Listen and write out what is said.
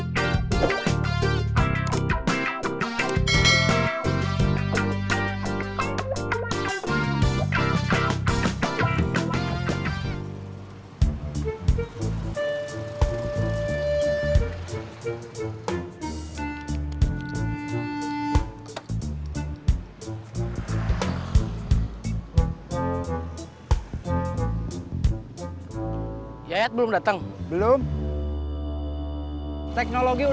masih kurang satu orang lagi